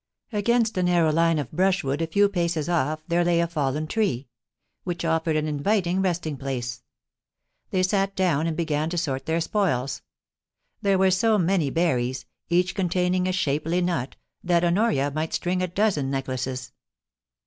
Against a narrow line of brushwood a few paces off there lay a fallen tree, which offered an inviting resting place. They sat down and began to sort their spoils. There were so many berries, each containing a shapely nut, that Honoria might string a dozen necklaces.